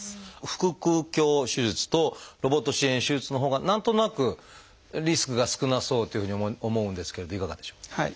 腹腔鏡手術とロボット支援手術のほうが何となくリスクが少なそうというふうに思うんですけれどいかがでしょう？